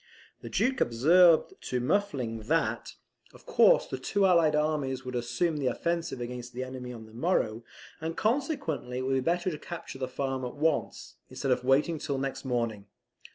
The Duke observed to Muffling, that of course the two Allied armies would assume the offensive against the enemy on the morrow; and consequently, it would be better to capture the farm at once, instead of waiting till next morning.